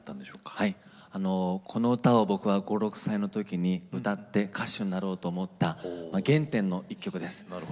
僕はこの歌を５歳、６歳の時に歌って歌手になろうと思った原点の曲です。